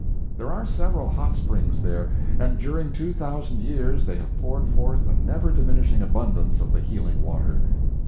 There are several hot springs there, and during two thousand years they have poured forth a never diminishing abundance of the healing water.